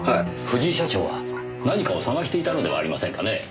藤井社長は何かを捜していたのではありませんかねえ。